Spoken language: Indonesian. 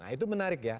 nah itu menarik ya